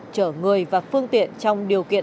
trở người và phương tiện trong điều kiện